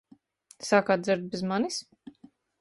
Sākāt dzert bez manis?